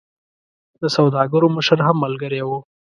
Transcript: د سوداګرو مشر هم ملګری وو.